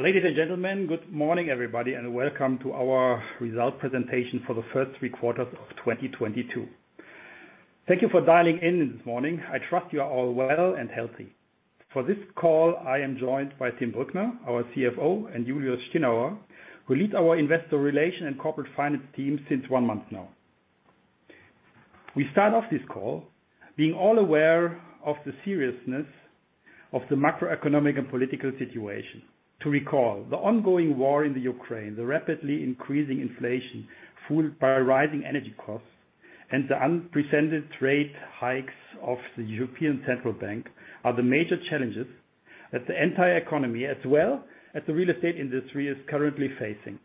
Ladies and gentlemen, good morning, everybody, and welcome to our result presentation for the first three quarters of 2022. Thank you for dialing in this morning. I trust you are all well and healthy. For this call, I am joined by Tim Brückner, our CFO, and Julius Stinauer, who lead our Investor Relations and Corporate Finance team since one month now. We start off this call being all aware of the seriousness of the macroeconomic and political situation. To recall, the ongoing war in Ukraine, the rapidly increasing inflation fueled by rising energy costs, and the unprecedented rate hikes of the European Central Bank are the major challenges that the entire economy, as well as the real estate industry is currently facing.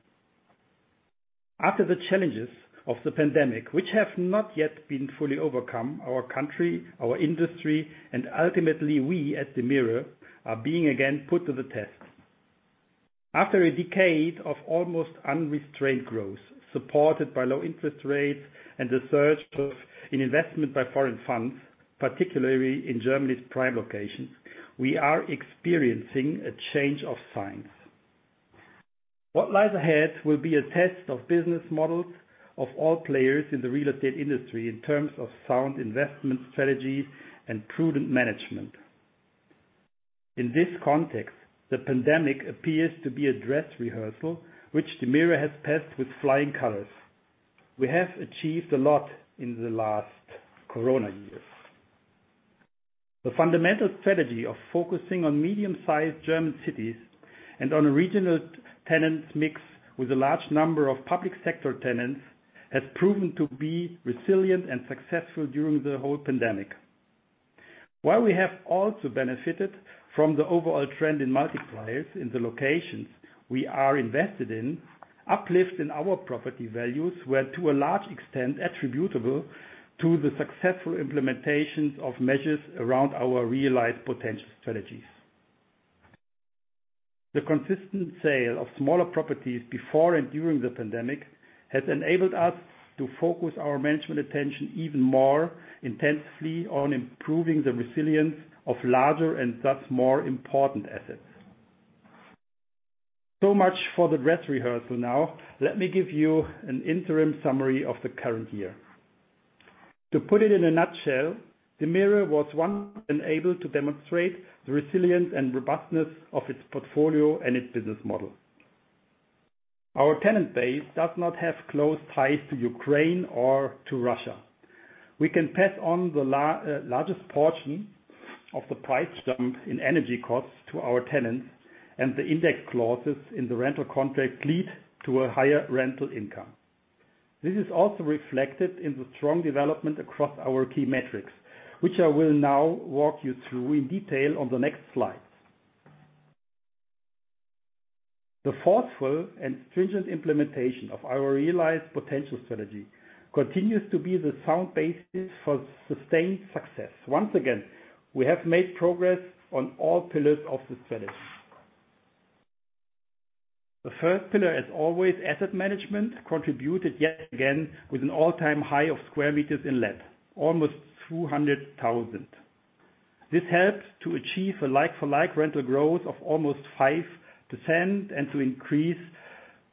After the challenges of the pandemic, which have not yet been fully overcome, our country, our industry, and ultimately, we at DEMIRE are being again put to the test. After a decade of almost unrestrained growth, supported by low interest rates and the surge of an investment by foreign funds, particularly in Germany's prime locations, we are experiencing a change of signs. What lies ahead will be a test of business models of all players in the real estate industry in terms of sound investment strategies and prudent management. In this context, the pandemic appears to be a dress rehearsal, which DEMIRE has passed with flying colors. We have achieved a lot in the last corona years. The fundamental strategy of focusing on medium-sized German cities and on a regional tenant mix with a large number of public sector tenants has proven to be resilient and successful during the whole pandemic. While we have also benefited from the overall trend in multipliers in the locations we are invested in, uplift in our property values were to a large extent attributable to the successful implementations of measures around our REALize Potential strategy. The consistent sale of smaller properties before and during the pandemic has enabled us to focus our management attention even more intensely on improving the resilience of larger and thus more important assets. Much for the dress rehearsal now. Let me give you an interim summary of the current year. To put it in a nutshell, DEMIRE was able to demonstrate the resilience and robustness of its portfolio and its business model. Our tenant base does not have close ties to Ukraine or to Russia. We can pass on the largest portion of the price jump in energy costs to our tenants, and the index clauses in the rental contract lead to a higher rental income. This is also reflected in the strong development across our key metrics, which I will now walk you through in detail on the next slides. The forceful and stringent implementation of our REALize Potential strategy continues to be the sound basis for sustained success. Once again, we have made progress on all pillars of the strategy. The first pillar, as always, asset management, contributed yet again with an all-time high of square meters in let, almost 200,000. This helped to achieve a like-for-like rental growth of almost 5% and to increase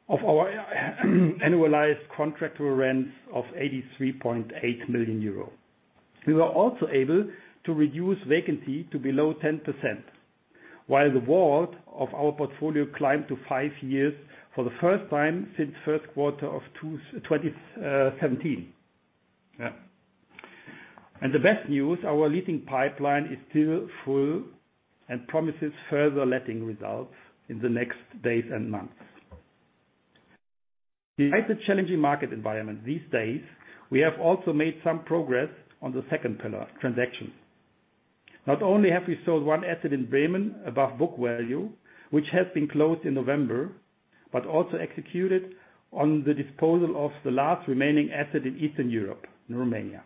of our annualized contractual rents of 83.8 million euro. We were also able to reduce vacancy to below 10%, while the WALT of our portfolio climbed to five years for the first time since first quarter of 2017. The best news, our letting pipeline is still full and promises further letting results in the next days and months. Despite the challenging market environment these days, we have also made some progress on the second pillar of transactions. Not only have we sold one asset in Bremen above book value, which has been closed in November, but also executed on the disposal of the last remaining asset in Eastern Europe, in Romania.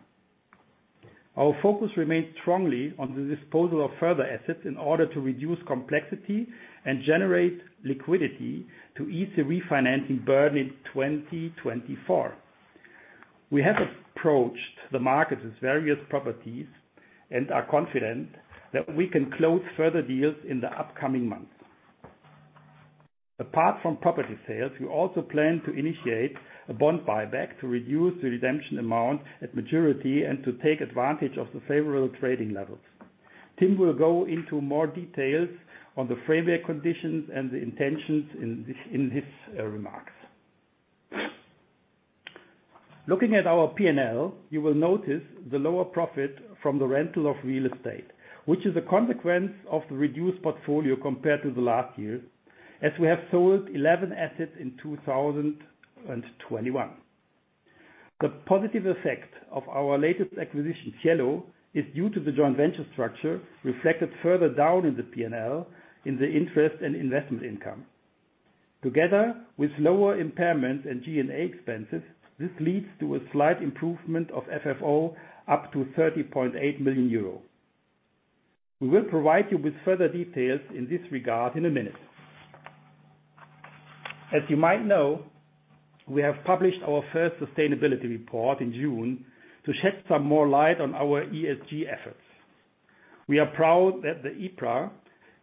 Our focus remains strongly on the disposal of further assets in order to reduce complexity and generate liquidity to ease the refinancing burden in 2024. We have approached the market with various properties and are confident that we can close further deals in the upcoming months. Apart from property sales, we also plan to initiate a bond buyback to reduce the redemption amount at maturity and to take advantage of the favorable trading levels. Tim will go into more details on the framework conditions and the intentions in this, in his, uh, remarks. Looking at our P&L, you will notice the lower profit from the rental of real estate, which is a consequence of the reduced portfolio compared to the last year, as we have sold 11 assets in 2021. The positive effect of our latest acquisition, Cielo, is due to the joint venture structure reflected further down in the P&L in the interest and investment income. Together with lower impairment and G&A expenses, this leads to a slight improvement of FFO up to 30.8 million euro. We will provide you with further details in this regard in a minute. As you might know, we have published our first sustainability report in June to shed some more light on our ESG efforts. We are proud that the EPRA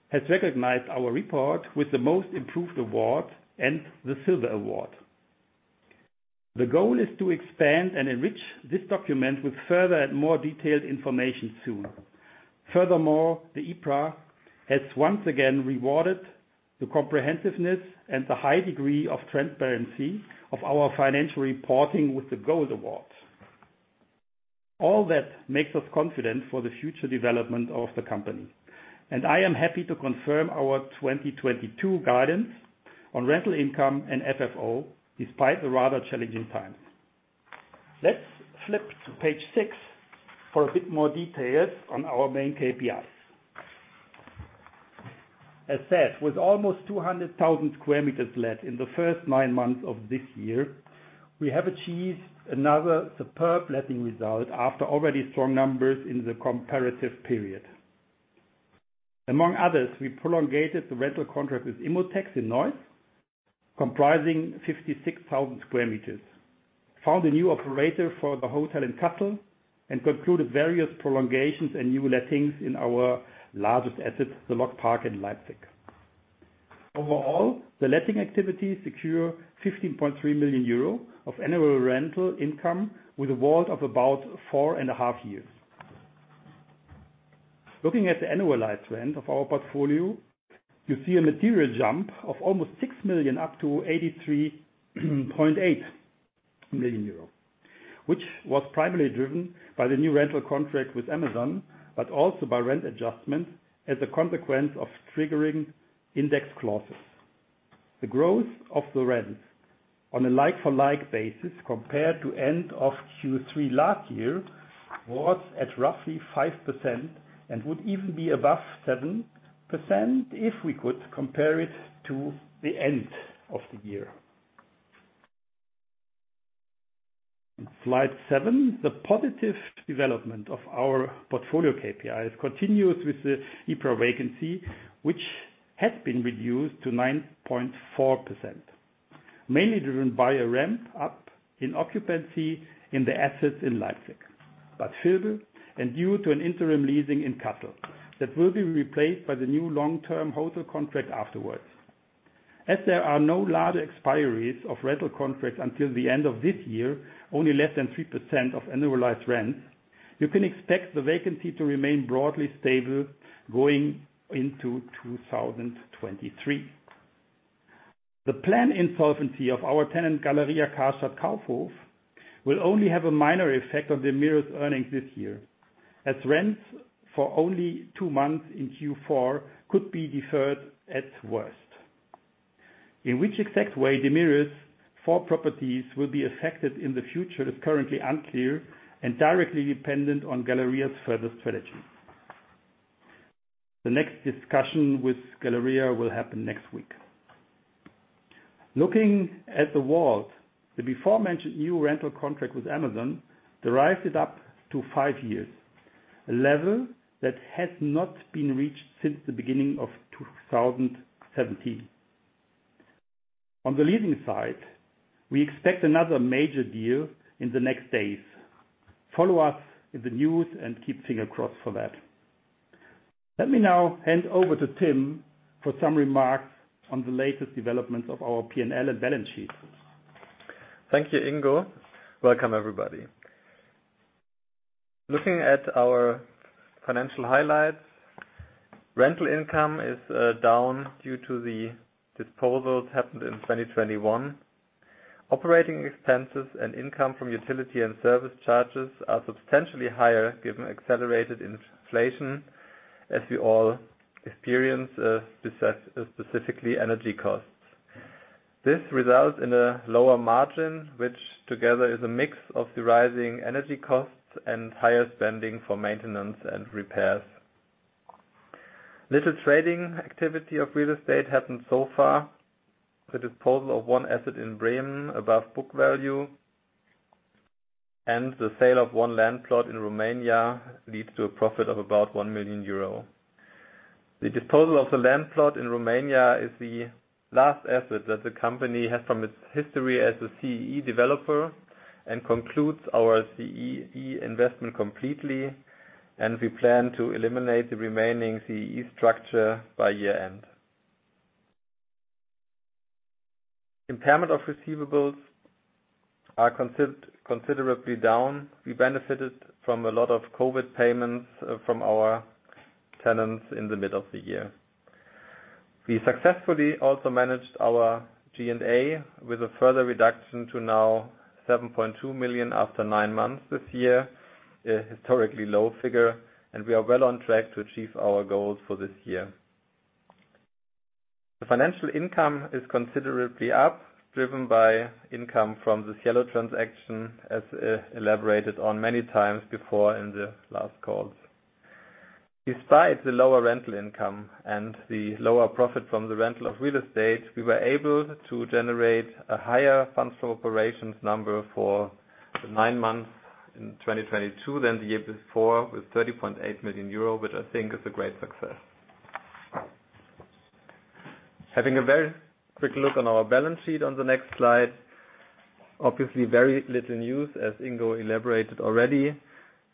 has recognized our report with the Most Improved Award and the Silver Award. The goal is to expand and enrich this document with further and more detailed information soon. Furthermore, the EPRA has once again rewarded the comprehensiveness and the high degree of transparency of our financial reporting with the Gold Award. All that makes us confident for the future development of the company. I am happy to confirm our 2022 guidance on rental income and FFO, despite the rather challenging times. Let's flip to page six for a bit more details on our main KPIs. As said, with almost 200,000 sq m let in the first nine months of this year, we have achieved another superb letting result after already strong numbers in the comparative period. Among others, we prolongated the rental contract with Imotex in Neuss, comprising 56,000 sq m. Found a new operator for the hotel in Kassel, and concluded various prolongations and new lettings in our largest asset, the LogPark in Leipzig. Overall, the letting activity secure 15.3 million euro of annual rental income with a WALT of about four and a half years. Looking at the annualized rent of our portfolio, you see a material jump of almost 6 million, up to 83.8 million euros. Which was primarily driven by the new rental contract with Amazon, but also by rent adjustments as a consequence of triggering index clauses. The growth of the rents on a like-for-like basis compared to end of Q3 last year, was at roughly 5%, and would even be above 7% if we could compare it to the end of the year. On slide seven, the positive development of our portfolio KPIs continues with the EPRA vacancy, which has been reduced to 9.4%. Mainly driven by a ramp up in occupancy in the assets in Leipzig, Bad Vilbel, and due to an interim leasing in Kassel that will be replaced by the new long-term hotel contract afterwards. As there are no large expiries of rental contracts until the end of this year, only less than 3% of annualized rents, you can expect the vacancy to remain broadly stable going into 2023. The plan insolvency of our tenant, Galeria Karstadt Kaufhof, will only have a minor effect on DEMIRE's earnings this year, as rents for only two months in Q4 could be deferred at worst. In which exact way DEMIRE's four properties will be affected in the future is currently unclear and directly dependent on Galeria's further strategy. The next discussion with Galeria will happen next week. Looking at the WALT, the before-mentioned new rental contract with Amazon drives it up to five years, a level that has not been reached since the beginning of 2017. On the leasing side, we expect another major deal in the next days. Follow us in the news and keep finger crossed for that. Let me now hand over to Tim for some remarks on the latest developments of our P&L and balance sheet. Thank you, Ingo. Welcome, everybody. Looking at our financial highlights, rental income is down due to the disposals happened in 2021. Operating expenses and income from utility and service charges are substantially higher given accelerated inflation, as we all experience, specifically energy costs. This results in a lower margin, which together is a mix of the rising energy costs and higher spending for maintenance and repairs. Little trading activity of real estate happened so far. The disposal of one asset in Bremen above book value, and the sale of one land plot in Romania leads to a profit of about 1 million euro. The disposal of the land plot in Romania is the last asset that the company has from its history as a CEE developer, and concludes our CEE investment completely, and we plan to eliminate the remaining CEE structure by year-end. Impairment of receivables are considerably down. We benefited from a lot of COVID payments from our tenants in the middle of the year. We successfully also managed our G&A with a further reduction to now 7.2 million after nine months this year. A historically low figure, and we are well on track to achieve our goals for this year. The financial income is considerably up, driven by income from the Cielo transaction, as elaborated on many times before in the last calls. Despite the lower rental income and the lower profit from the rental of real estate, we were able to generate a higher Funds from Operations number for the nine months in 2022 than the year before with 30.8 million euro, which I think is a great success. Having a very quick look on our balance sheet on the next slide. Obviously, very little news as Ingo elaborated already.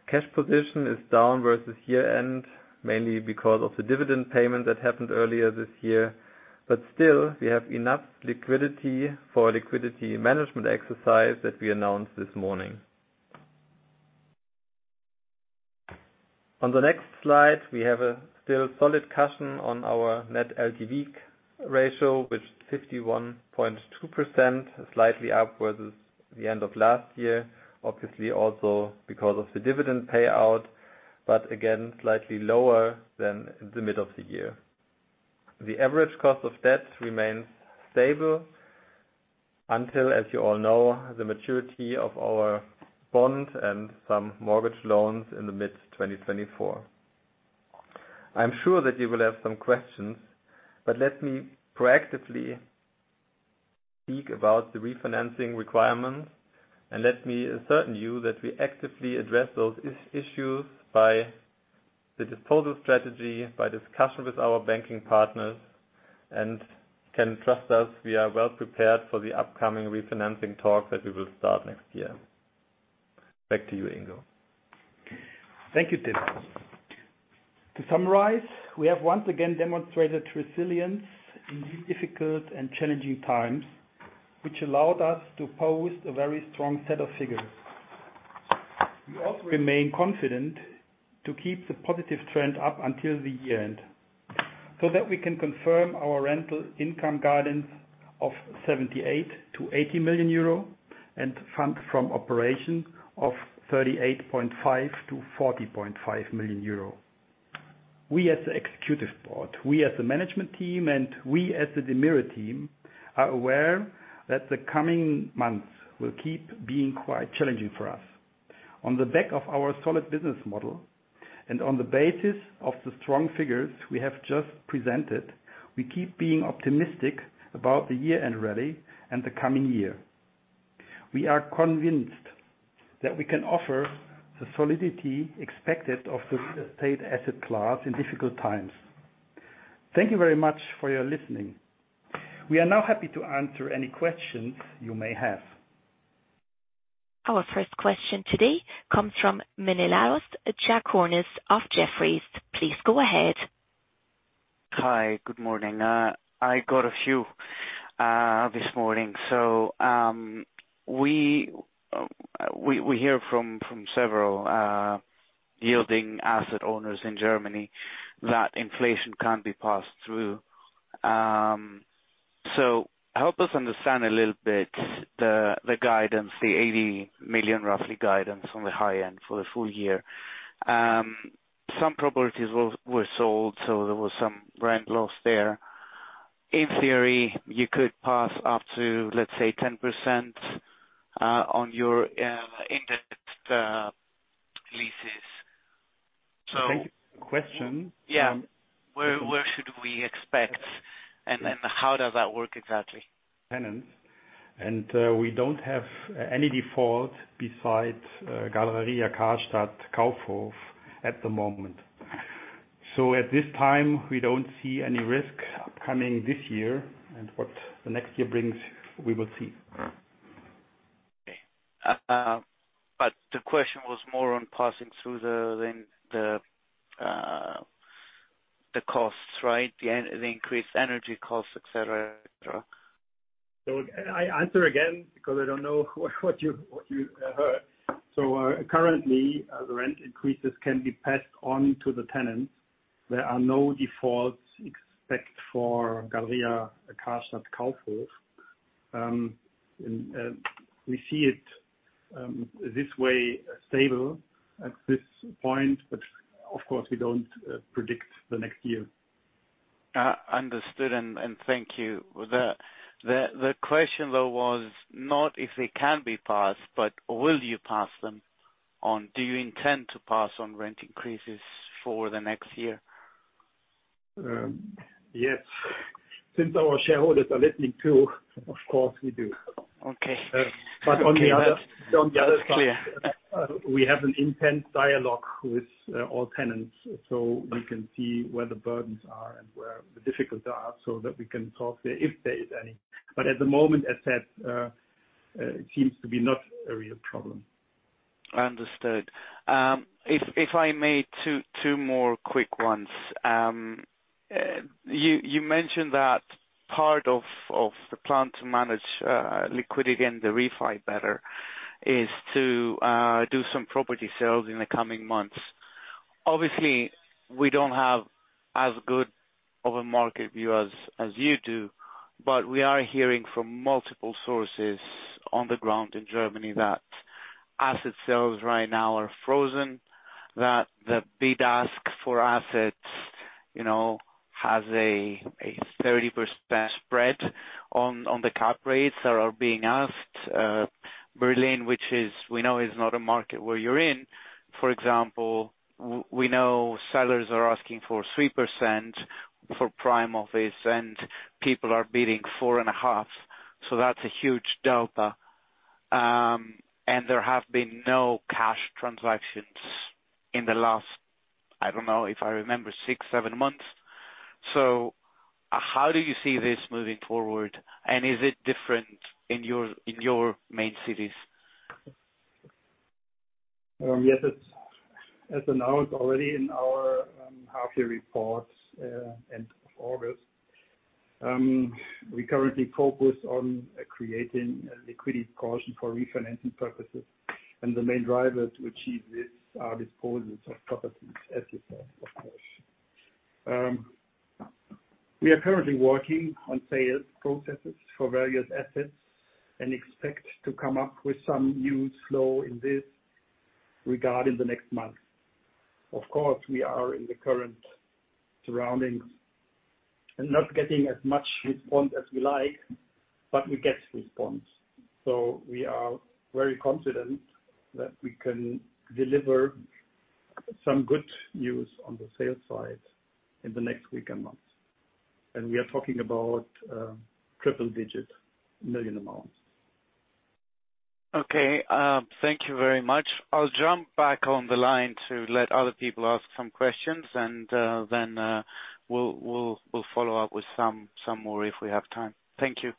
Cash position is down versus year-end, mainly because of the dividend payment that happened earlier this year. Still, we have enough liquidity for a liquidity management exercise that we announced this morning. On the next slide, we have a still solid cushion on our Net LTV ratio, with 51.2%, slightly up versus the end of last year. Obviously, also because of the dividend payout, but again, slightly lower than the mid of the year. The average cost of debt remains stable until, as you all know, the maturity of our bond and some mortgage loans in the mid-2024. I'm sure that you will have some questions. Let me proactively speak about the refinancing requirements and let me assure you that we actively address those issues by the disposal strategy, by discussion with our banking partners, and can trust us, we are well prepared for the upcoming refinancing talk that we will start next year. Back to you, Ingo. Thank you, Tim. To summarize, we have once again demonstrated resilience in these difficult and challenging times, which allowed us to post a very strong set of figures. We also remain confident to keep the positive trend up until the year-end so that we can confirm our rental income guidance of 78 million-80 million euro and Funds from Operations of 38.5 million-40.5 million euro. We as the Executive Board, we as the management team, and we as the DEMIRE team are aware that the coming months will keep being quite challenging for us. On the back of our solid business model and on the basis of the strong figures we have just presented, we keep being optimistic about the year-end rally and the coming year. We are convinced that we can offer the solidity expected of the real estate asset class in difficult times. Thank you very much for your listening. We are now happy to answer any questions you may have. Our first question today comes from Menelaos Tzagkournis of Jefferies. Please go ahead. Hi, good morning. I got a few this morning. We hear from several yielding asset owners in Germany that inflation can't be passed through. Help us understand a little bit the guidance, the 80 million roughly guidance on the high end for the full year. Some properties were sold, so there was some rent loss there. In theory, you could pass up to, let's say, 10% on your indexed leases. Thank you for the question. Yeah. Where should we expect, and then how does that work exactly? Tenants. We don't have any default besides Galeria Karstadt Kaufhof at the moment. At this time, we don't see any risk upcoming this year. What the next year brings, we will see. Okay. The question was more on passing through the costs, right? The increased energy costs, et cetera. I answer again because I don't know what you heard. Currently, the rent increases can be passed on to the tenants. There are no defaults except for Galeria Karstadt Kaufhof. We see it this way stable at this point, but of course, we don't predict the next year. Understood. Thank you. The question though was not if they can be passed, but will you pass them on? Do you intend to pass on rent increases for the next year? Yes. Since our shareholders are listening too, of course, we do. Okay. On the other. That's clear. On the other side, we have an intense dialogue with all tenants, so we can see where the burdens are and where the difficulties are so that we can talk if there is any. At the moment, as said, it seems to be not a real problem. Understood. If I may, two more quick ones. You mentioned that part of the plan to manage liquidity and the refi better is to do some property sales in the coming months. Obviously, we don't have as good of a market view as you do, but we are hearing from multiple sources on the ground in Germany that asset sales right now are frozen, that the bid-ask for assets, you know, has a 30% spread on the cap rates that are being asked. Berlin, which, we know, is not a market where you're in. For example, we know sellers are asking for 3% for prime office, and people are bidding 4.5%, so that's a huge delta. There have been no cash transactions in the last, I don't know, if I remember, 6-7 months. How do you see this moving forward, and is it different in your main cities? Yes, it's as announced already in our half-year report end of August. We currently focus on creating a liquidity cushion for refinancing purposes, and the main driver to achieve this are disposals of properties as you said. We are currently working on sales processes for various assets and expect to come up with some news flow in this regard in the next month. Of course, we are in the current surroundings and not getting as much response as we like, but we get response. We are very confident that we can deliver some good news on the sales side in the next week and months. We are talking about triple-digit million amounts. Okay. Thank you very much. I'll jump back on the line to let other people ask some questions and then we'll follow up with some more if we have time. Thank you.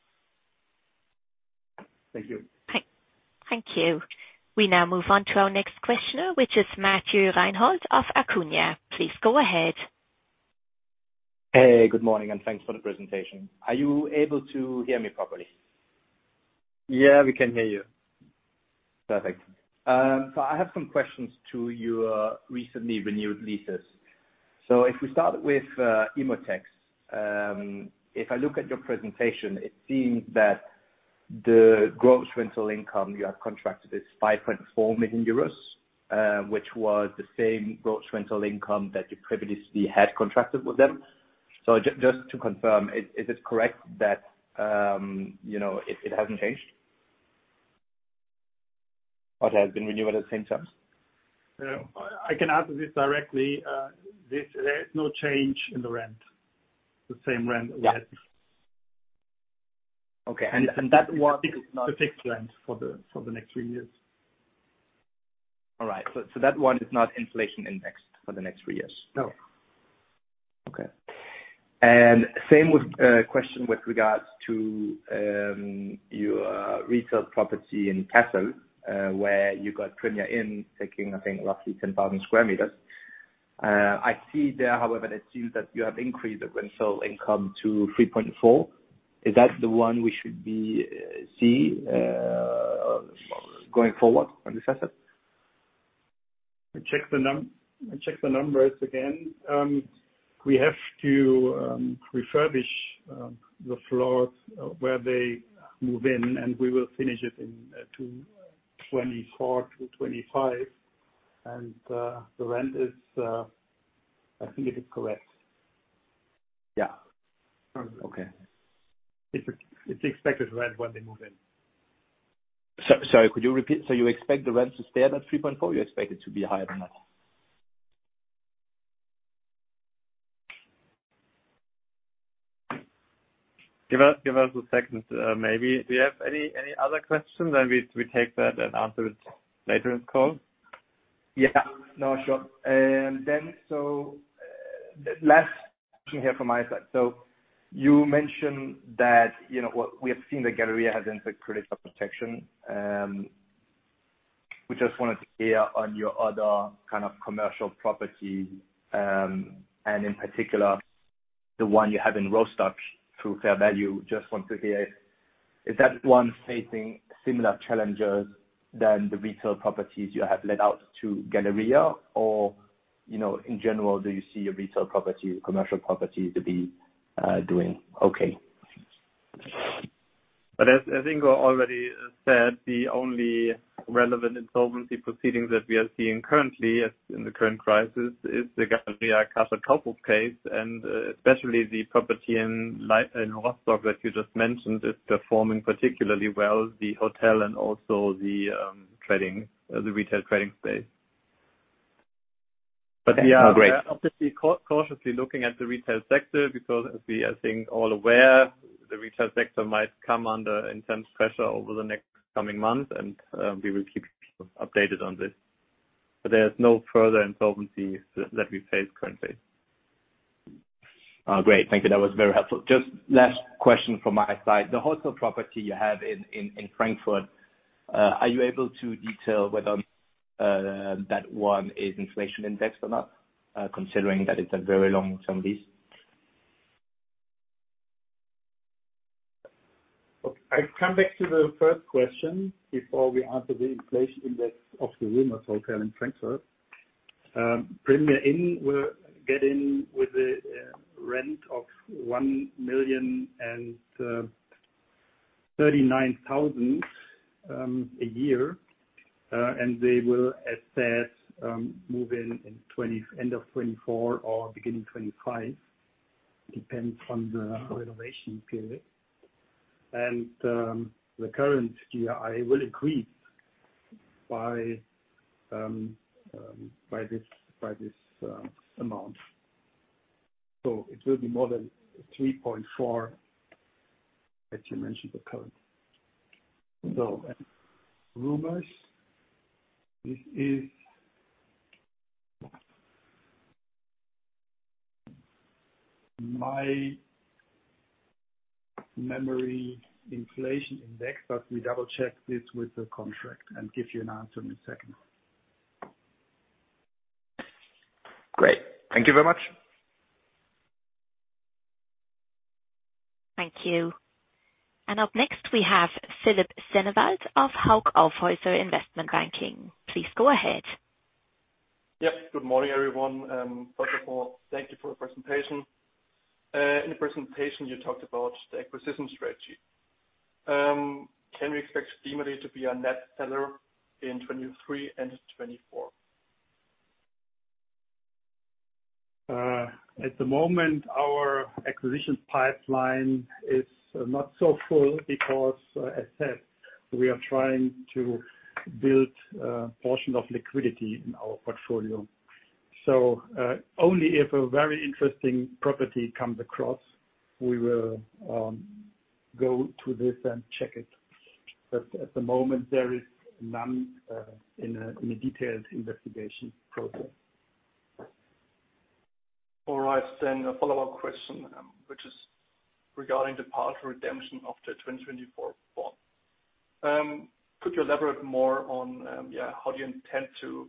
Thank you. Thank you. We now move on to our next questioner, which is Philipp Sennewald of Alantra. Please go ahead. Hey, good morning, and thanks for the presentation. Are you able to hear me properly? Yeah, we can hear you. Perfect. So I have some questions to your recently renewed leases. So if we start with Imotex. If I look at your presentation, it seems that the gross rental income you have contracted is five point four million euros, which was the same gross rental income that you previously had contracted with them. So just to confirm, is it correct that, you know, it hasn't changed or it has been renewed at the same terms? I can answer this directly. There is no change in the rent. The same rent we had. Yeah. Okay. That one. A fixed rent for the next three years. All right. That one is not inflation indexed for the next three years? No. Okay. Same with question with regards to your retail property in Kassel where you got Premier Inn taking, I think, roughly 10,000 sq m. I see there, however, it seems that you have increased the rental income to 3.4. Is that the one we should be see going forward on this asset? Check the numbers again. We have to refurbish the floors where they move in, and we will finish it in 2024-2025. The rent is, I think it is correct. Yeah. Okay. It's the expected rent when they move in. Sorry, could you repeat? You expect the rent to stay at that 3.4, you expect it to be higher than that? Give us a second. Maybe do you have any other questions and we take that and answer it later in call? Yeah. No, sure. Last question here from my side. You mentioned that, you know, we have seen that Galeria has entered creditor protection. We just wanted to hear on your other kind of commercial properties, and in particular, the one you have in Rostock through fair value. Just want to hear, is that one facing similar challenges than the retail properties you have let out to Galeria? You know, in general, do you see your retail properties, commercial properties to be doing okay? As Ingo already said, the only relevant insolvency proceedings that we are seeing currently as in the current crisis is the Galeria Karstadt Kaufhof case, and especially the property in Rostock that you just mentioned is performing particularly well, the hotel and also the trading, the retail trading space. Oh, great. Yeah, obviously cautiously looking at the retail sector because as we, I think, all aware, the retail sector might come under intense pressure over the next coming months, and we will keep you updated on this. There's no further insolvency that we face currently. Oh, great. Thank you. That was very helpful. Just last question from my side. The hotel property you have in Frankfurt, are you able to detail whether that one is inflation indexed or not, considering that it's a very long-term lease? I come back to the first question before we answer the inflation index of the room or hotel in Frankfurt. Premier Inn will get in with a rent of 1,039,000 a year. They will, as said, move in end of 2024 or beginning 2025, depends on the renovation period. The current year, I will increase by this amount. It will be more than 3.4% as you mentioned the current. Rumors. This is my memory inflation index, but we double-check this with the contract and give you an answer in a second. Great. Thank you very much. Thank you. Up next, we have Philipp Sennewald of Hauck Aufhäuser Investment Banking. Please go ahead. Yep. Good morning, everyone. First of all, thank you for the presentation. In the presentation you talked about the acquisition strategy. Can we expect DEMIRE to be a net seller in 2023 and 2024? At the moment, our acquisition pipeline is not so full because, as said, we are trying to build a portion of liquidity in our portfolio. Only if a very interesting property comes across, we will go to this and check it. At the moment there is none in a detailed investigation process. All right, a follow-up question, which is regarding the partial redemption of the 2024 bond. Could you elaborate more on, yeah, how do you intend to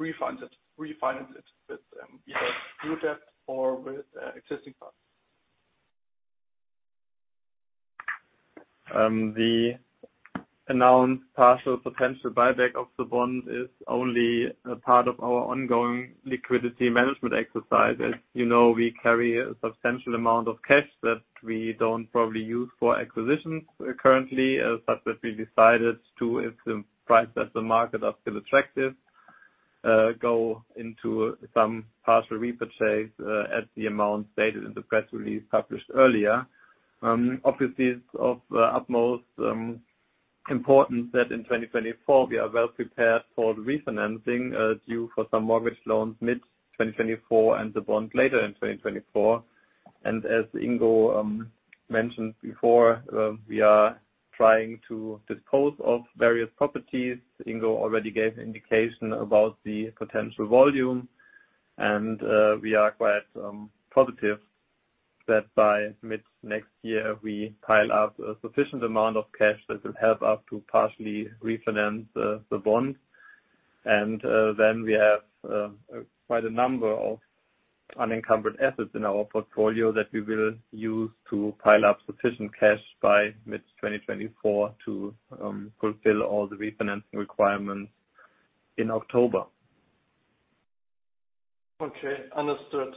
refinance it with either new debt or with existing funds? The announced partial potential buyback of the bond is only a part of our ongoing liquidity management exercise. As you know, we carry a substantial amount of cash that we don't probably use for acquisitions currently. As such that we decided to, if the price at the market are still attractive, go into some partial repurchase at the amount stated in the press release published earlier. Obviously it's of utmost importance that in 2024 we are well prepared for the refinancing due for some mortgage loans mid-2024 and the bond later in 2024. As Ingo mentioned before, we are trying to dispose of various properties. Ingo already gave indication about the potential volume. We are quite positive that by mid next year we pile up a sufficient amount of cash that will help us to partially refinance the bond. We have quite a number of unencumbered assets in our portfolio that we will use to pile up sufficient cash by mid-2024 to fulfill all the refinancing requirements in October. Okay. Understood.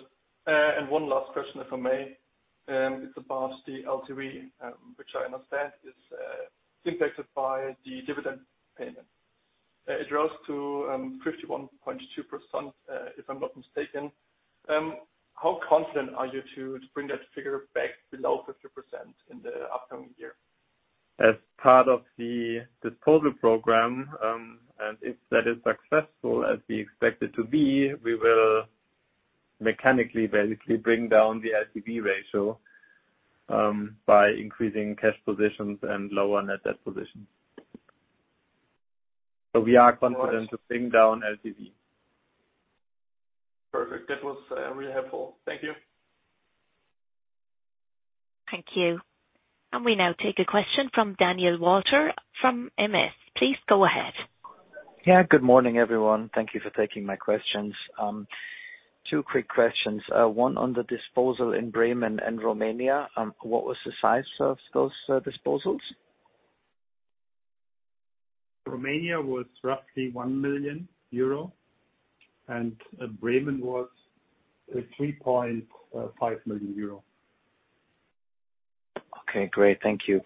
One last question, if I may. It's about the LTV, which I understand is impacted by the dividend payment. It rose to 51.2%, if I'm not mistaken. How confident are you to bring that figure back below 50% in the upcoming year? As part of the disposal program, and if that is successful as we expect it to be, we will mechanically, basically bring down the LTV ratio by increasing cash positions and lower net debt positions. So we are confident to bring down LTV. Perfect. That was really helpful. Thank you. Thank you. We now take a question from Daniel Walter from NST. Please go ahead. Yeah, good morning, everyone. Thank you for taking my questions. Two quick questions, one on the disposal in Bremen and Romania. What was the size of those disposals? Romania was roughly 1 million euro, and Bremen was 3.5 million euro. Okay, great. Thank you.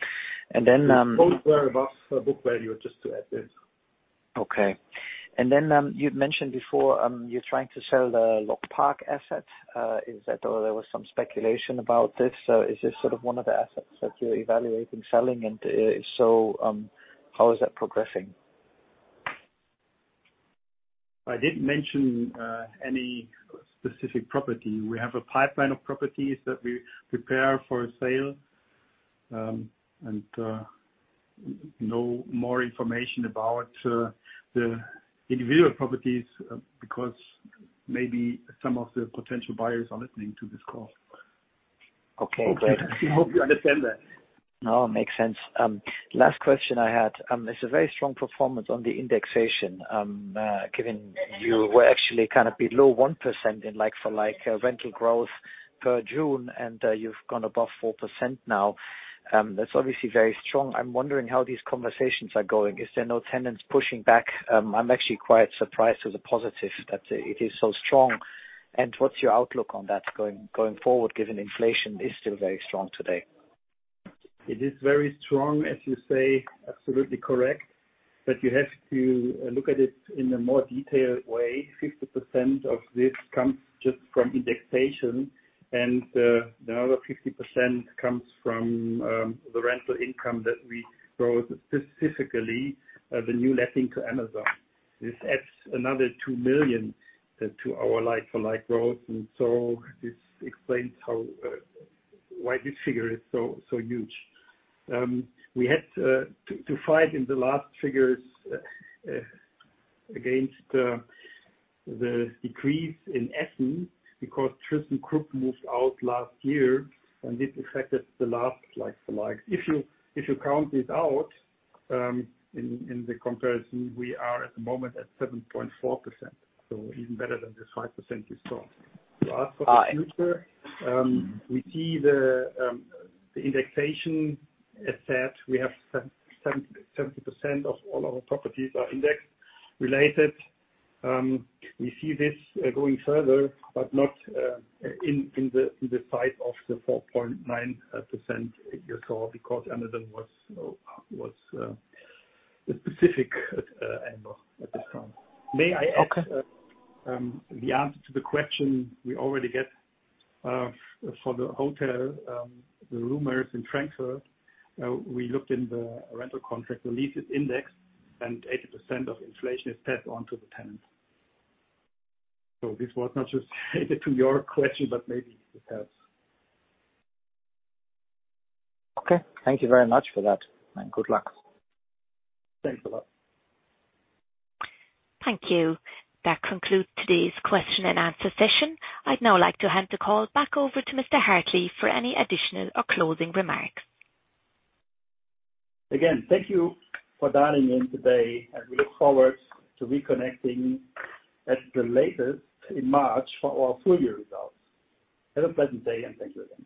Both were above book value, just to add this. Okay. You'd mentioned before you're trying to sell the LogPark asset. There was some speculation about this. Is this sort of one of the assets that you're evaluating selling? If so, how is that progressing? I didn't mention any specific property. We have a pipeline of properties that we prepare for sale. No more information about the individual properties because maybe some of the potential buyers are listening to this call. Okay, great. I hope you understand that. No, it makes sense. Last question I had. It's a very strong performance on the indexation, given you were actually kind of below 1% in like-for-like rental growth per June, and you've gone above 4% now. That's obviously very strong. I'm wondering how these conversations are going. Is there no tenants pushing back? I'm actually quite surprised with the positive that it is so strong. What's your outlook on that going forward, given inflation is still very strong today? It is very strong, as you say. Absolutely correct. You have to look at it in a more detailed way. 50% of this comes just from indexation, and the other 50% comes from the rental income that we grow specifically the new letting to Amazon. This adds another 2 million to our like-for-like growth, and this explains why this figure is so huge. We had to fight in the last figures against the decrease in Essen because Thyssenkrupp moved out last year, and this affected the last like-for-like. If you count this out in the comparison, we are at the moment at 7.4%, even better than the 5% you saw. As for the future, we see the indexation asset. We have 70% of all our properties are index-related. We see this going further, but not in the size of the 4.9% you saw because Amazon was a specific anchor at this time. May I ask? Okay. The answer to the question we already get for the hotel, the room rates in Frankfurt, we looked in the rental contract. The lease is indexed, and 80% of inflation is passed on to the tenant. This was not just related to your question, but maybe it helps. Okay. Thank you very much for that, and good luck. Thanks a lot. Thank you. That concludes today's question-and-answer session. I'd now like to hand the call back over to Mr. Hartlief for any additional or closing remarks. Again, thank you for dialing in today, and we look forward to reconnecting at the latest in March for our full-year results. Have a pleasant day, and thank you again.